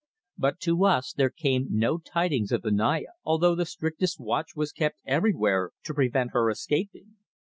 But to us there came no tidings of the Naya, although the strictest watch was kept everywhere to prevent her escaping.